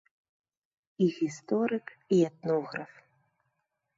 І гісторык, і этнограф.